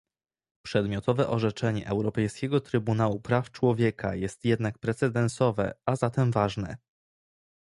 Przedmiotowe orzeczenie Europejskiego Trybunału Praw Człowieka jest jednak precedensowe, a zatem ważne